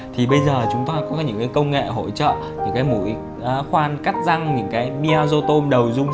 thì bây giờ chúng ta có những cái công nghệ hỗ trợ những cái mũi khoan cắt răng những cái biagotom đầu dung